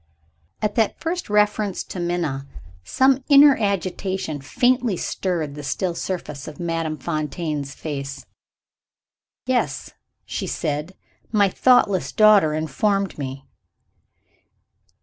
At that first reference to Minna, some inner agitation faintly stirred the still surface of Madame Fontaine's face. "Yes," she said. "My thoughtless daughter informed me."